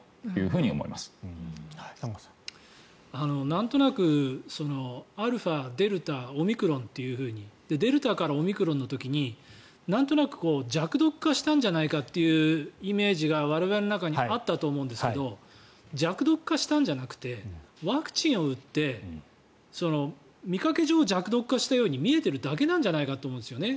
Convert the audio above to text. なんとなくアルファ、デルタ、オミクロンとデルタからオミクロンの時になんとなく弱毒化したんじゃないかというイメージが我々の中にあったと思うんですけど弱毒化したんじゃなくてワクチンを打って見かけ上弱毒化しているように見えるだけなんじゃないかと思うんですね。